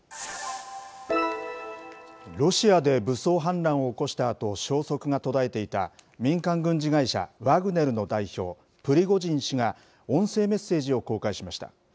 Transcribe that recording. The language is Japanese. ロシアで武装反乱を起こしたあと、消息が途絶えていた、民間軍事会社、ワグネルの代表、プリゴジン氏が音声メッセージを公開しました。